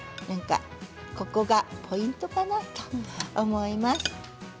ここがポイントかなと思います。